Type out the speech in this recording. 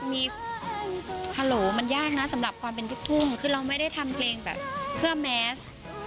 มีฮัลโหลมันยากนะสำหรับความเป็นลูกทุ่งคือเราไม่ได้ทำเพลงแบบเพื่อแมส